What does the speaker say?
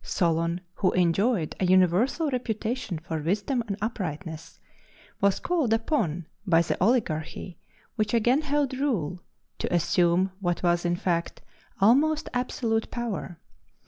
Solon, who enjoyed a universal reputation for wisdom and uprightness, was called upon by the oligarchy, which again held rule, to assume what was, in fact, almost absolute power.